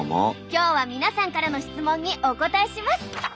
今日は皆さんからの質問にお答えします。